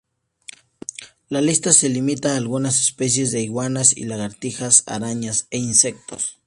La lista se limita a algunas especies de iguanas y lagartijas, arañas e insectos.